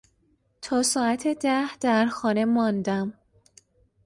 تا ساعت ده در خانه ماندم.